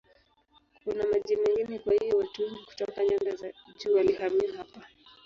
Kuna maji mengi kwa hiyo watu wengi kutoka nyanda za juu walihamia hapa.